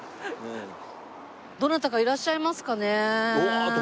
どなたかいらっしゃいますかね？